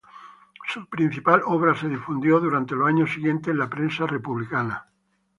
Su principal obra se difundió durante los años siguientes en la prensa republicana.